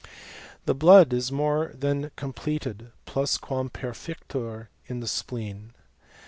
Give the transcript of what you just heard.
The blood is more than completed {plus quam perjieiiur) in the spleen.